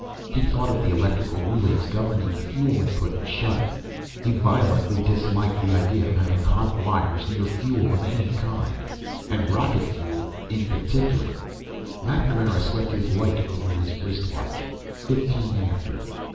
He thought of the electrical relays governing the fuel input and shuddered. He violently disliked the idea of having hot wires near fuel of any kind, and rocket fuel in particular. MacNamara swept his light over his wrist watch. Fifteen after.